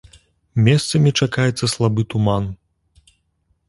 Месцамі чакаецца слабы туман.